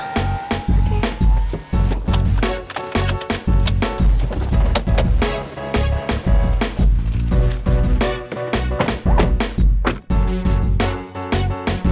gue yakin banget